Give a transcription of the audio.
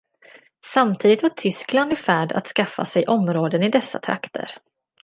Samtidigt var Tyskland i färd att skaffa sig områden i dessa trakter.